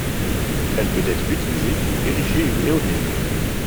Elle peut être utilisée pour ériger une éolienne.